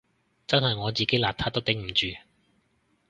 真係我自己邋遢都頂唔住